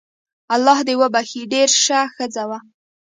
الله دي وبخښي ډیره شه ښځه وو